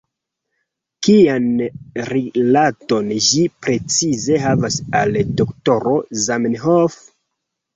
Kian rilaton ĝi precize havas al doktoro Zamenhof?